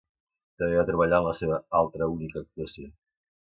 També va treballar en la seva altra única actuació.